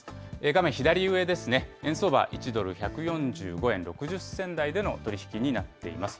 画面左上ですね、円相場１ドル１４５円６０銭台での取り引きになっています。